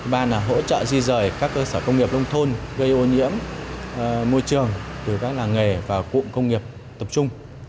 ba là hỗ trợ di rời các cơ sở công nghiệp nông thôn gây ô nhiễm môi trường từ các làng nghề và cụm công nghiệp tập trung